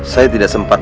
saya tidak sempat